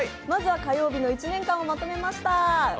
まずは火曜日の１年間をまとめました。